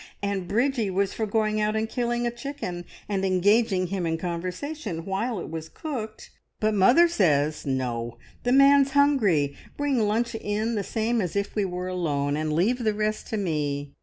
And Bridgie was for going out and killing a chicken, and engaging him in conversation while it was cooked, but mother says, `No, the man's hungry! Bring lunch in the same as if we were alone, and leave the rest to me.'